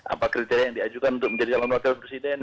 apa kriteria yang diajukan untuk menjadi calon wakil presiden